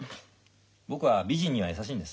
僕は美人には優しいんです。